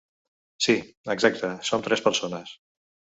Si, exacte som tres persones.